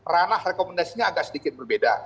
ranah rekomendasinya agak sedikit berbeda